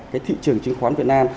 cái thị trường chứng khoán việt nam